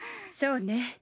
そうね。